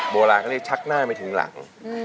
โบราณเขาเรียกชักหน้าไม่ถึงหลัง